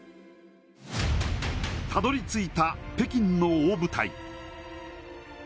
たどり着いた北京の大舞台。